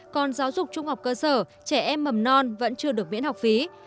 còn giáo dục trung học cơ sở trẻ em mầm non vẫn chưa được miễn học phí